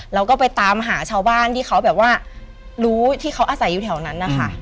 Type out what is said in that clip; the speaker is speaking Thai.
เราก็ไปตามหาชาวบ้านที่เขาแบบว่ารู้ที่เขาอาศัยอยู่แถวนั้นนะคะ